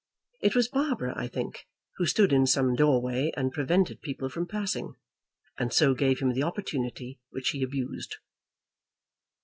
It was Barbara, I think, who stood in some doorway, and prevented people from passing, and so gave him the opportunity which he abused.